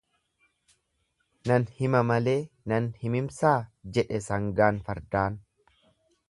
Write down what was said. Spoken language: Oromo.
Nan hima malee nan himimsaa jedha sangaan fardaan.